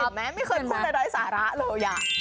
เห็นไหมไม่เคยพูดอะไรสาระเลย